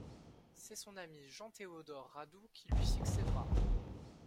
C'est son ami Jean-Théodore Radoux qui lui succédera.